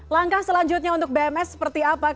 langkah selanjutnya untuk bms seperti apa